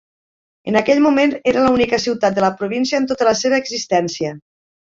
En aquell moment era l'única ciutat de la província en tota la seva existència.